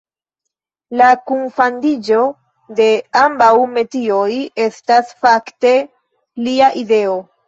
La kunfandiĝo de ambaŭ metioj estis fakte lia ideo.